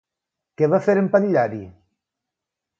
Què va fer en Patllari?